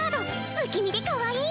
不気味でかわいい！